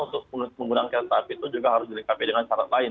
untuk penggunaan kereta api itu juga harus dilengkapi dengan syarat lain